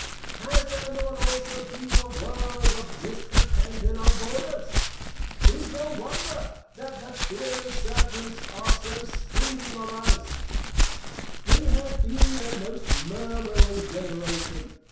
Has there not also been a world of discontent in our Borders? 'Tis no wonder, that the fiery Serpents are so Stinging of us; We have been a most Murmuring Generation.